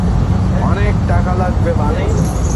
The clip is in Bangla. অনেক টাকা লাগবে, বানি।